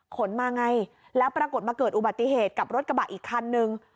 ขนมาไงแล้วปรากฏมาเกิดอุบัติเหตุกับรถกระบะอีกคันนึง